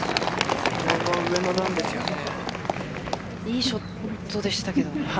いいショットでしたけどね。